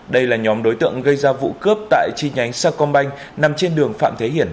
tổng đối tượng gây ra vụ cướp tại chi nhánh sa công banh nằm trên đường phạm thế hiển